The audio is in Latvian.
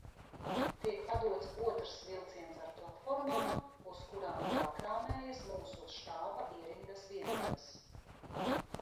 Tiek padots otrs vilciens ar platformām, uz kurām jākrāmējas mūsu štāba ierindas vienības.